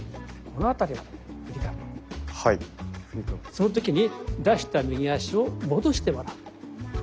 その時に出した右足を戻してもらう。